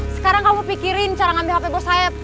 sekarang kamu pikirin cara ngambil hp bos sayap